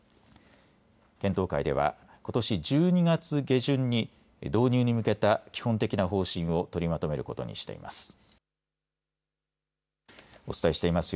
検討会ではことし１２月下旬に導入に向けた基本的な方針を取りまとめることにしています。